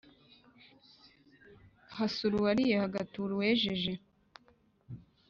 Hasura uwariye. Hagatura uwejeje